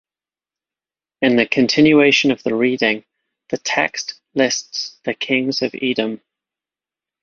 In the continuation of the reading, the text lists the kings of Edom.